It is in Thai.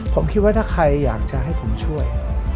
ผมคิดว่าถ้าใครอยากจะให้ผมช่วย